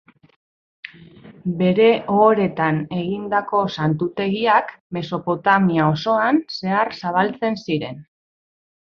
Bere ohoretan egindako santutegiak Mesopotamia osoan zehar zabaltzen ziren.